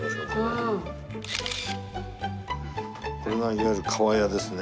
これがいわゆる厠ですね。